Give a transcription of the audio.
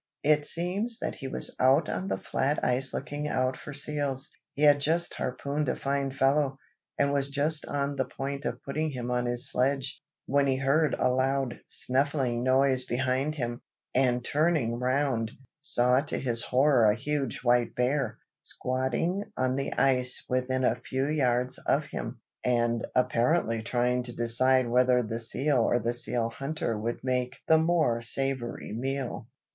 "It seems that he was out on the flat ice looking out for seals. He had just harpooned a fine fellow, and was just on the point of putting him on his sledge, when he heard a loud snuffling noise behind him; and turning round, saw to his horror a huge white bear, squatting on the ice within a few yards of him, and apparently trying to decide whether the seal or the seal hunter would make the more savory meal.